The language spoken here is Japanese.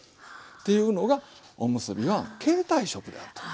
というのがおむすびは携帯食であると。